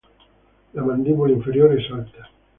La mandíbula inferior es alta.